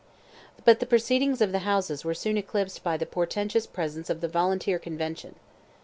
But the proceedings of the Houses were soon eclipsed by the portentous presence of the Volunteer Convention.